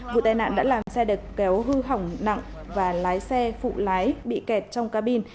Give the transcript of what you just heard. vụ tai nạn đã làm xe được kéo hư hỏng nặng và lái xe phụ lái bị kẹt trong cabin